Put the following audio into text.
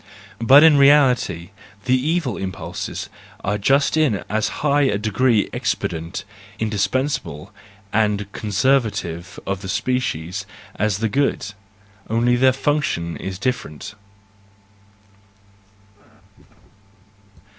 But in reality the evil impulses are just in as high a degree expedient, indispensable, and conservative of the species as the good :—only, their function is different.